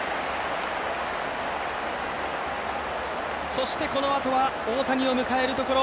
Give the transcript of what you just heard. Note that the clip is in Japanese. そしてこのあとは大谷を迎えるところ。